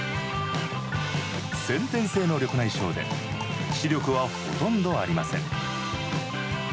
先天性の緑内障で視力はほとんどありません。